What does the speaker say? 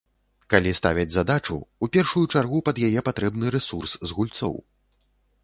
Калі ставяць задачу, у першую чаргу пад яе патрэбны рэсурс з гульцоў.